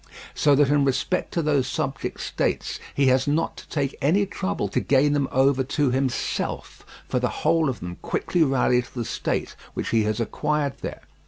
So that in respect to those subject states he has not to take any trouble to gain them over to himself, for the whole of them quickly rally to the state which he has acquired there.